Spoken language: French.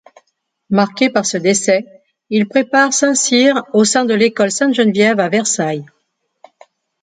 Marqué par ce décès, il prépare Saint-Cyr au sein de l'école Sainte-Geneviève à Versailles.